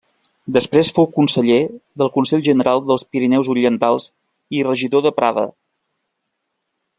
Després fou conseller del Consell General dels Pirineus Orientals i regidor de Prada.